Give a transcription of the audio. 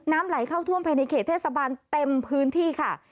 ไหลเข้าท่วมภายในเขตเทศบาลเต็มพื้นที่ค่ะ